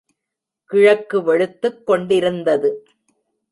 கிழக்கு வெளுத்துக் கொண்டிருந்தது.